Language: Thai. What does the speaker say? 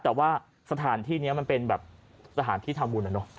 แต่ว่าสถานที่นี้มันเป็นสถานที่ทำบุญ